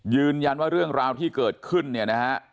ยืนยันว่าเรื่องราวที่เกิดขึ้นเนี่ยนะฮะ